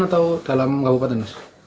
atau dalam kabupaten